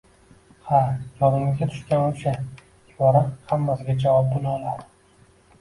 Ha, yodingizga tushgan o`sha ibora hammasiga javob bo`la oladi